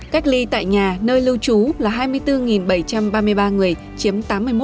cách ly tại nhà nơi lưu trú là hai mươi bốn bảy trăm ba mươi ba người chiếm tám mươi một